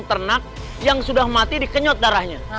ternak yang sudah mati dikenyot darahnya